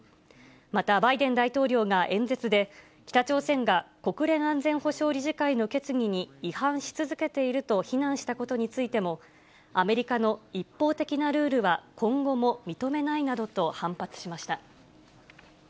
また、バイデン大統領が演説で、北朝鮮が国連安全保障理事会の決議に違反し続けていると非難したことについても、アメリカの一方的なルールは、今後も認めないなどと反発しました。